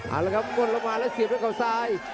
เอาละครับก้นลงมาแล้วเสียบด้วยเขาซ้าย